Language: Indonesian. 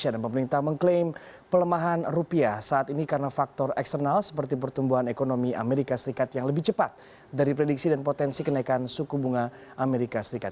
dan pemerintah mengklaim pelemahan rupiah saat ini karena faktor eksternal seperti pertumbuhan ekonomi amerika serikat yang lebih cepat dari prediksi dan potensi kenaikan suku bunga amerika serikat